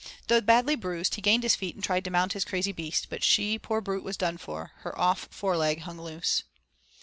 Though badly bruised, he gained his feet and tried to mount his crazy beast. But she, poor brute, was done for her off fore leg hung loose.